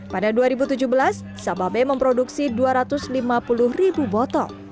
pada dua ribu tujuh belas sababe memproduksi dua ratus lima puluh ribu botol